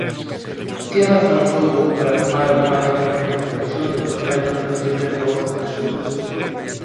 ¿Que razóns houbo para tomar automaticamente a decisión de cortarlle o financiamento a Oza-Cesuras?